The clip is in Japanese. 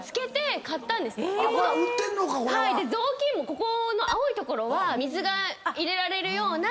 ここの青い所は水が入れられるような。